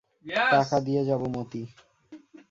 টাকা দিয়ে যাব মতি।